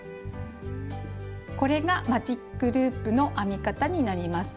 これが「マジックループ」の編み方になります。